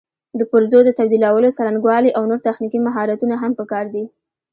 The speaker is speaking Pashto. د پرزو د تبدیلولو څرنګوالي او نور تخنیکي مهارتونه هم پکار دي.